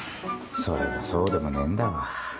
それがそうでもねえんだわ。